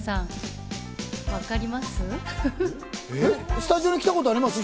『スッキリ』に来たことありますか？